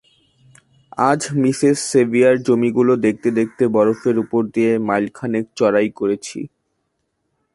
আজ মিসেস সেভিয়ারের জমিগুলি দেখতে দেখতে বরফের উপর দিয়ে মাইলখানেক চড়াই করেছি।